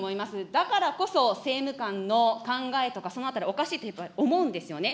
だからこそ、政務官の考えとか、そのあたり、おかしいと思うんですよね。